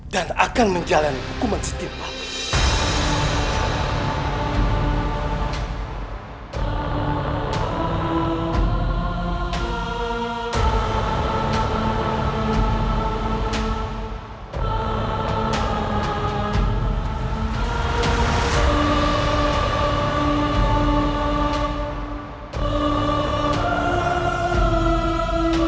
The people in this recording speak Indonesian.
dan akan menjalani hukuman setiap hari